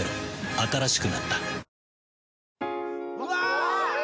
新しくなったあっ！